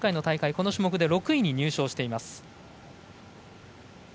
この種目で６位に入賞しています。